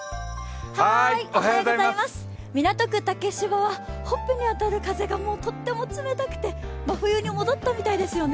港区竹芝は、ほっぺに当たる風がとっても冷たくて真冬に戻ったみたいですよね。